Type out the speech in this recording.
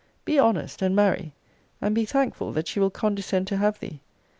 Be honest, and marry; and be thankful that she will condescend to have thee.